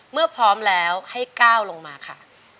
พร้อมแล้วให้ก้าวลงมาค่ะ